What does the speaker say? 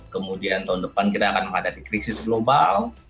kemudian tahun depan kita akan menghadapi krisis global